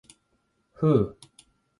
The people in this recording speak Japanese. ふう。